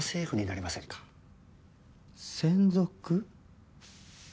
専属？